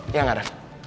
iya gak ada